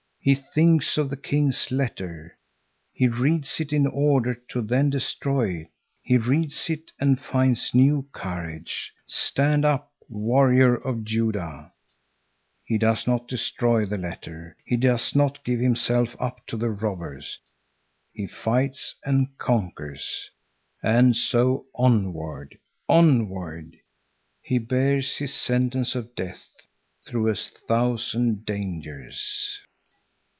He thinks of the king's letter. He reads it in order to then destroy it. He reads it, and finds new courage. Stand up, warrior of Judah! He does not destroy the letter. He does not give himself up to the robbers. He fights and conquers. And so onward, onward! He bears his sentence of death through a thousand dangers.